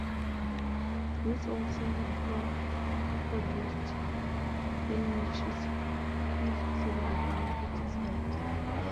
Bruce also co-produced Heinrichs' fifth solo album "Satisfied".